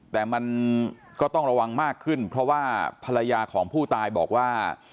แต่มันก็ต้องระวังมากขึ้นเพราะว่าภรรยาของผู้ตายบอกว่า